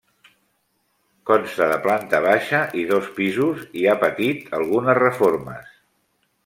Consta de planta baixa i dos pisos i, ha patit algunes reformes.